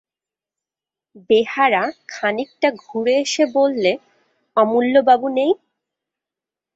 বেহারা খানিকটা ঘুরে এসে বললে, অমূল্যবাবু নেই।